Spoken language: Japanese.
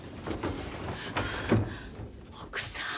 奥さん。